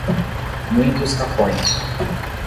Muitos Capões